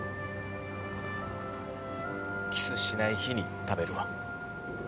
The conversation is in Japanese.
ああキスしない日に食べるわ。